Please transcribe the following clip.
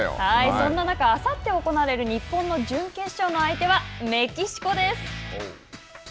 そんな中、あさって行われる日本の準決勝の相手はメキシコです。